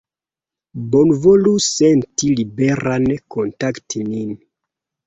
Bonvolu senti liberan kontakti nin.